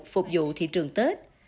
phục vụ thị trường tết